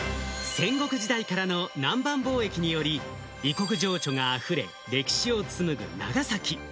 戦国時代からの南蛮貿易により、異国情緒があふれ、歴史を紡ぐ長崎。